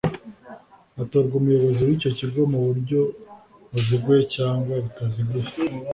hatorwa umuyobozi w'icyo kigo mu buryo buziguye cyangwa butaziguye